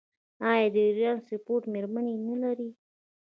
آیا د ایران سپورټ میرمنې نلري؟